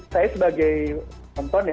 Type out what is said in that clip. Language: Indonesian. saya sebagai penonton ya